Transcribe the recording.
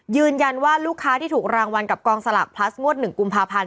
ยืนยันว่าลูกค้าที่ถูกรางวัลกับกองสลากพลัสงวด๑กุมภาพันธ์